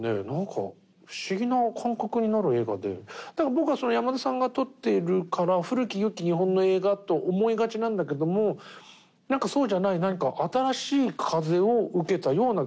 僕は山田さんが撮っているから古き良き日本の映画と思いがちなんだけどもなんかそうじゃない何か新しい風を受けたような気になる。